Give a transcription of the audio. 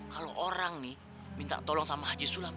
kalau orang nih minta tolong sama haji sulam